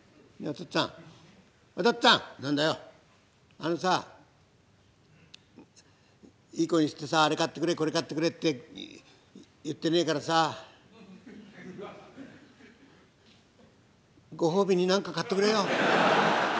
「あのさいい子にしてさあれ買ってくれこれ買ってくれって言ってねえからさあご褒美に何か買っとくれよ！」。